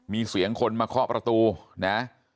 มีเสียงคนมาเคาะประตูนะ